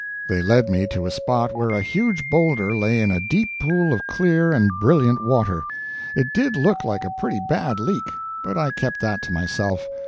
They led me to a spot where a huge boulder lay in a deep pool of clear and brilliant water. It did look like a pretty bad leak, but I kept that to myself.